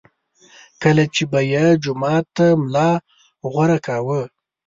کله چې به یې جومات ته ملا غوره کاوه.